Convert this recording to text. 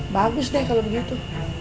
bagus deh kalau begitu